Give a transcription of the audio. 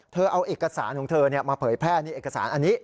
เอาเอกสารของเธอมาเผยแพร่นี่เอกสารอันนี้